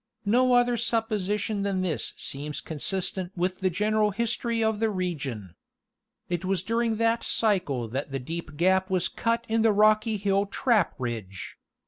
No other supposition than this seems consistent with the general history of the region. It was during that cycle that the deep gap was cut in the Rocky Hill trap ridge.